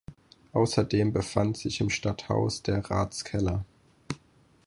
Außerdem befand sich im Stadthaus der Ratskeller.